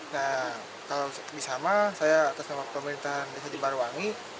nah kalau bisa mah saya atas nama pemerintahan desa jembaruwangi